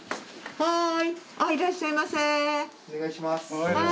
はい！